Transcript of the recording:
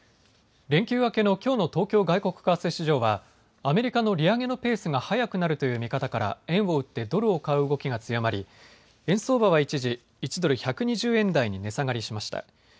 連休明けのきょうの東京外国為替市場はアメリカの利上げのペースが速くなるという見方から円を売ってドルを買う動きが強まり円相場は一時１ドル１２０円台に値下がりしました。